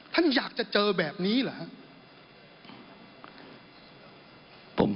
ท่านอยากจะเจอแบบนี้เหรอครับ